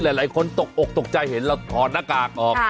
หลายคนตกอกตกใจเห็นเราถอดหน้ากากออก